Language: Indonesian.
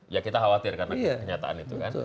ya kita khawatir karena kenyataan itu kan